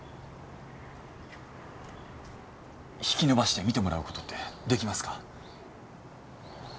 引き伸ばして見てもらう事ってできますか？